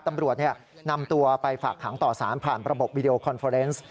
ตำรวจนำตัวไปฝากขังต่อสารผ่านระบบวิดีโอคอนเฟอร์เนส์